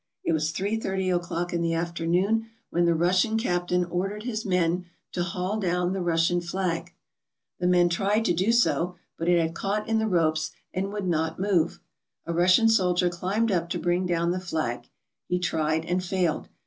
It was three thirty o'clock in the afternoon when the Russian captain ordered 40 THE STORY OF "SEWARD'S ICE BOX" his men to haul down the Russian flag. Thfe men tried to do so, but it had caught in the ropes and would not move. A Russian soldier climbed up to bring down the flag. He tried and failed.